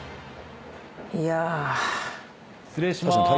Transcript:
「いや」・「失礼しまーす」